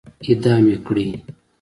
اعدام يې کړئ!